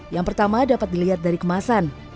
yang pertama dapat dilihat dari kemasan